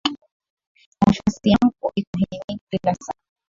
Nafsi yangu ikuhimidi kila saa .